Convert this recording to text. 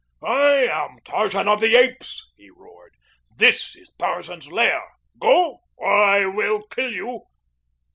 "I am Tarzan of the Apes," he roared. "This is Tarzan's lair. Go, or I will kill you."